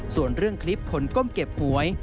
ส่วนเรื่องคลิปคนก้มเก็บหวย